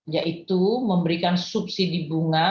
yaitu memberikan subsidi bunga